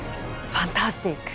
ファンタスティック！